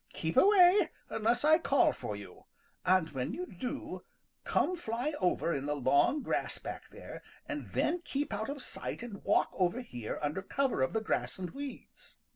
"Keep away unless I call for you, and when you do come fly over in the long grass back there and then keep out of sight and walk over here under cover of the grass and weeds."